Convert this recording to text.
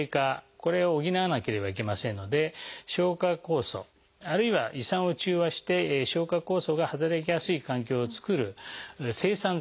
これを補わなければいけませんので消化酵素あるいは胃酸を中和して消化酵素が働きやすい環境を作る制酸剤。